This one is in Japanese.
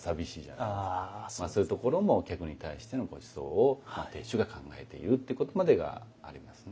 まあそういうところも客に対してのごちそうを亭主が考えているということまでがありますね。